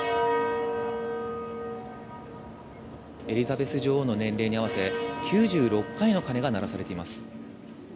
エリザベス女王の年齢に合わせ９６回の鐘が鳴らされています。